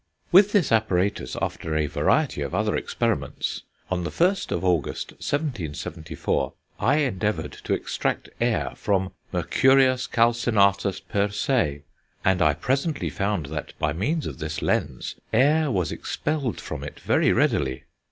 With this apparatus, after a variety of other experiments.... on the 1st of August, 1774, I endeavoured to extract air from mercurius calcinatus per se; and I presently found that, by means of this lens, air was expelled from it very readily.